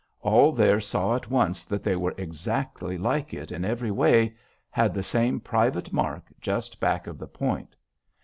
All there saw at once that they were exactly like it in every way, had the same private mark just back of the point.